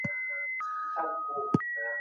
پخوانیو پاچاهانو ولي د قیمتي ډبرو تجارت کنټرولاوه؟